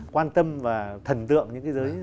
quan tâm và thần tượng những cái giới